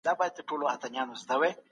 څنګه خطر کم کړو؟